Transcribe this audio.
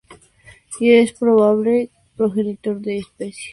Y es probable progenitor de esa especie.